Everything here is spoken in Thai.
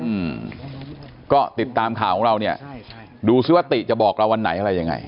อืมก็ติดตามข่าวของเราเนี่ยดูซิว่าติจะบอกเราวันไหนอะไรยังไง